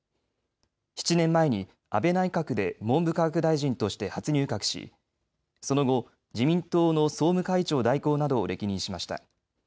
７年前に安倍内閣で文部科学大臣として初入閣しその後、自民党の総務会長代行などを歴任しました。